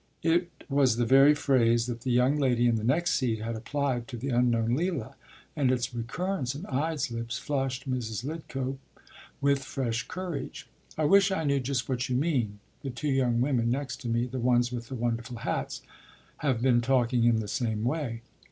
” It was the very phrase that the young lady in the next seat had applied to the unknown “Leila,” and its recurrence on Ide’s lips flushed Mrs. Lidcote with fresh courage. “I wish I knew just what you mean. The two young women next to me the ones with the wonderful hats have been talking in the same way.